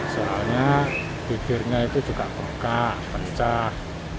soalnya bibirnya itu juga pengkah pecah